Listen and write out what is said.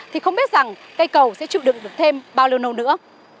thì không biết rằng cây cầu sẽ chịu đựng được thêm bao lâu nâu nữa